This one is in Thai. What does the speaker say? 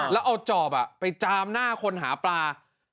แล้วเอาจอบไปจามหน้าคนหาปลา